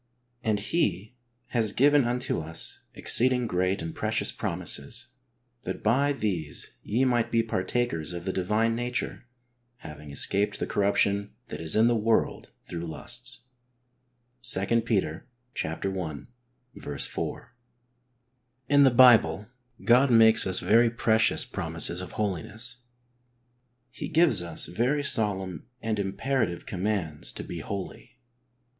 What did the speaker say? And He has "given unto us exceeding great and precious promises, that by these ye might be partakers of the divine nature, having escaped the corruption that is in the world through lusts " (2 Pet. i. 4). In the Bible God makes us very precious promises of holi ness. He gives us very solemn and imperative commands to be holy.